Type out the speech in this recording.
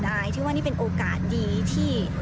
คุณผู้ชมถามมาในไลฟ์ว่าเขาขอฟังเหตุผลที่ไม่ให้จัดอีกที